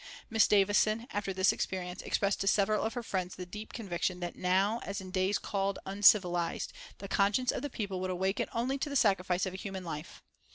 Miss Davison, after this experience, expressed to several of her friends the deep conviction that now, as in days called uncivilised, the conscience of the people would awaken only to the sacrifice of a human life.